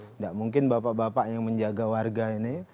tidak mungkin bapak bapak yang menjaga warga ini